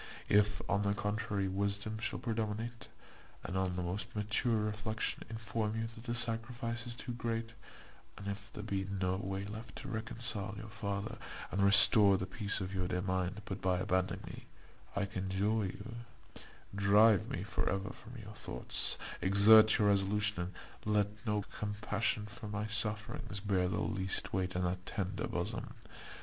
If, on the contrary, wisdom shall predominate, and, on the most mature reflection, inform you, that the sacrifice is too great; and if there be no way left to reconcile your father, and restore the peace of your dear mind, but by abandoning me, I conjure you drive me for ever from your thoughts, exert your resolution, and let no compassion for my sufferings bear the least weight in that tender bosom.